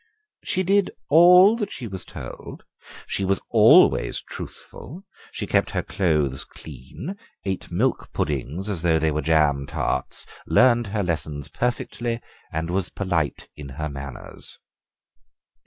"She did all that she was told, she was always truthful, she kept her clothes clean, ate milk puddings as though they were jam tarts, learned her lessons perfectly, and was polite in her manners."